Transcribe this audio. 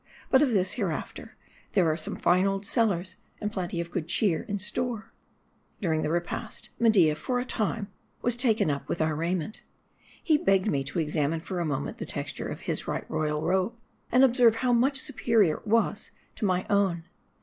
But of this hereafter ; there are some fine old cellars, and plenty of good cheer in store. During the repast, Media, for a time, was much taken up with our raiment. He begged me to examine for a moment the texture of his right royal robe, and observe how much superior it was to my own.